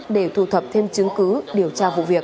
để thu thập thêm chứng cứ điều tra vụ việc